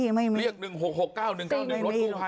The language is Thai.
เรียก๑๖๖๙๑๙๑รถช่วยไฟ